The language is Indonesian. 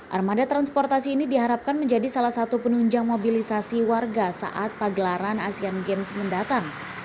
armada transportasi ini diharapkan menjadi salah satu penunjang mobilisasi warga saat pagelaran asean games mendatang